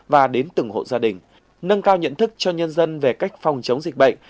và đến từng hộ gia đình nâng cao nhận thức cho nhân dân về cách phòng chống dịch bệnh